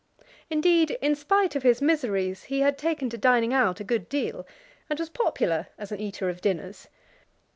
Indeed, in spite of his miseries he had taken to dining out a good deal, and was popular as an eater of dinners.